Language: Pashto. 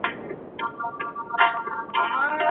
ایا واړه پلورونکي وچ انار پلوري؟